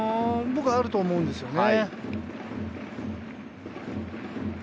僕はあると思うんですよね。